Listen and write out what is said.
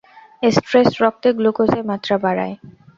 Stress রক্তে গ্লুকোজের মাত্রা বাড়ায়।